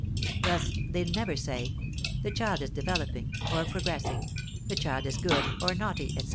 Thus they never say: The child is developing, or progressing, the child is good or naughty, etc.